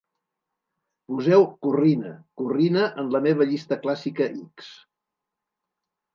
Poseu Corrina, Corrina en la meva llista clàssica x.